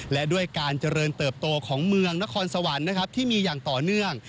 และด้วยการเจริญเติบโตของเมืองนครสวรรค์นะครับที่มีอย่างต่อเนื่อง